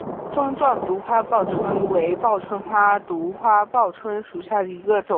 钟状独花报春为报春花科独花报春属下的一个种。